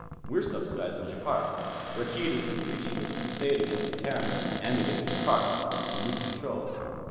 We're subsidizing Jaikark. Rakkeed has been preaching this crusade against the Terrans, and against Jaikark, whom we control.